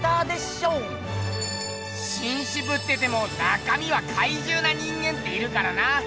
しんしぶってても中みはかいじゅうな人間っているからな。